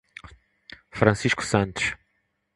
Francisco Santos